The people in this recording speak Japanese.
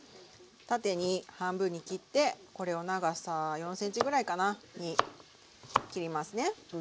縦に半分に切ってこれを長さ４ｃｍぐらいかなに切りますね。